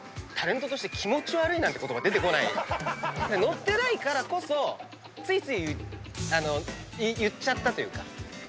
乗ってないからこそついつい言っちゃったというか。